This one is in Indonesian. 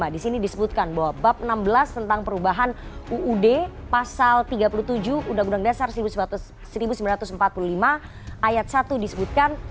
di sini disebutkan bahwa bab enam belas tentang perubahan uud pasal tiga puluh tujuh undang undang dasar seribu sembilan ratus empat puluh lima ayat satu disebutkan